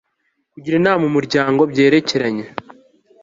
kugira inama umuryango mu byerekeranye